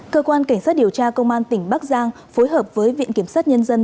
cơ quan cảnh sát điều tra công an tỉnh bắc giang phối hợp với viện kiểm sát nhân dân